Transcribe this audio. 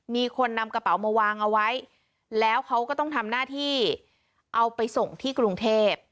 มีคนนำกระเป๋ามาวางเอาไว้แล้วเขาก็ต้องทำหน้าที่เอาไปส่งที่กรุงเทพ